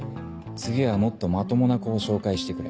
次はもっとまともな子を紹介してくれ。